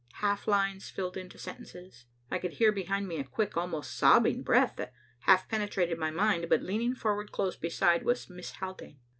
Half lines filled into sentences. I could hear behind me a quick, almost sobbing breath that half penetrated my mind, but leaning forward close beside was Miss Haldane.